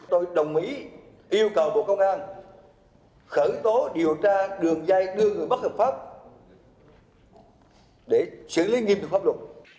tôi đồng ý yêu cầu bộ công an khởi tố điều tra đường dây đưa người bất hợp pháp để xử lý nghiêm được pháp luật